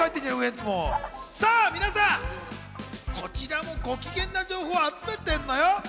皆さん、こちらもご機嫌な情報を集めてるのよ。